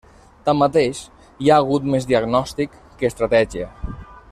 Tanmateix hi ha hagut més diagnòstic que estratègia.